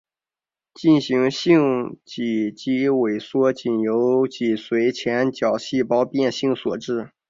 进行性脊肌萎缩仅由脊髓前角细胞变性所致。